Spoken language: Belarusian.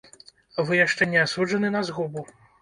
Вы яшчэ не асуджаны на згубу.